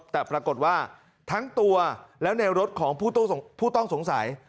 แต่ปรากฏว่าทั้งตัวแล้วในรถของผู้ต้องสงสัย